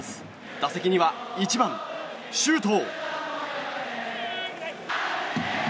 打席には１番、周東。